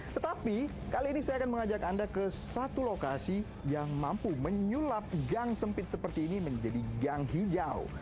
tetapi kali ini saya akan mengajak anda ke satu lokasi yang mampu menyulap gang sempit seperti ini menjadi gang hijau